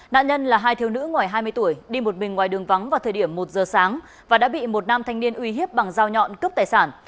nạn nhân là hai thiếu nữ ngoài hai mươi tuổi đi một mình ngoài đường vắng vào thời điểm một giờ sáng và đã bị một nam thanh niên uy hiếp bằng dao nhọn cướp tài sản